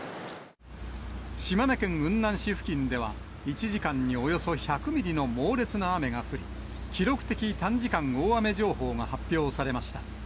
島根県雲南市付近では、１時間におよそ１００ミリの猛烈な雨が降り、記録的短時間大雨情報が発表されました。